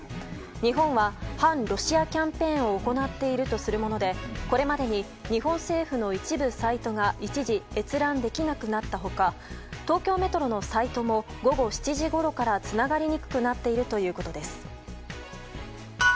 日本は反ロシアキャンペーンを行っているとするものでこれまでに日本政府の一部サイトが一時、閲覧できなくなった他東京メトロのサイトも午後７時ごろからつながりにくくなっているということです。